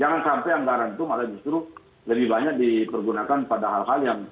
jangan sampai anggaran itu malah justru lebih banyak dipergunakan pada hal hal yang